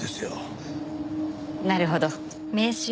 なるほど。